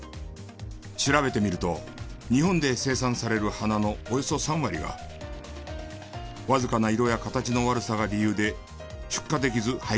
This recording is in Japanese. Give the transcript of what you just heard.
調べてみると日本で生産される花のおよそ３割がわずかな色や形の悪さが理由で出荷できず廃棄されていた。